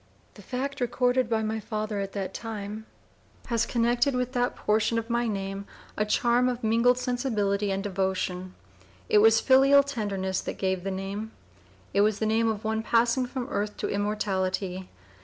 The fact, recorded by my father at (p. 002) the time, has connected with that portion of my name a charm of mingled sensibility and devotion. It was filial tenderness that gave the name. It was the name of one passing from earth to immortality.